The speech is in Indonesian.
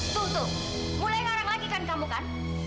tuh tuh mulai larang lagi kan kamu kan